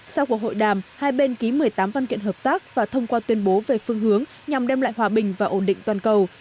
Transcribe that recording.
sau cuộc hội đàm hai bên ký một mươi tám văn kiện hợp tác và thông qua tuyên bố về phương hướng nhằm đem lại hòa bình và ổn định toàn cầu